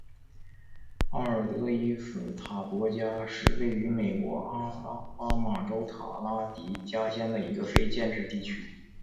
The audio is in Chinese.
奥尔德伊斯塔博加是位于美国阿拉巴马州塔拉迪加县的一个非建制地区。